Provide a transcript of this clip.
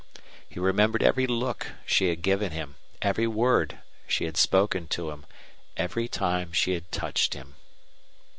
He remembered every look she had given him, every word she had spoken to him, every time she had touched him.